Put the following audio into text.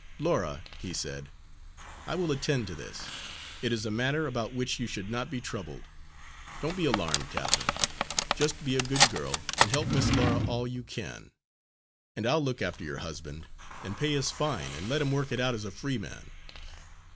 "Laura," he said, "I will attend to this; it is a matter about which you should not be troubled. Don't be alarmed, Catharine. Just be a good girl and help Miss Laura all you can, and I'll look after your husband, and pay his fine and let him work it out as a free man."